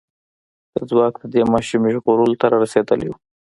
دا ځواک د دې ماشومې ژغورلو ته را رسېدلی و.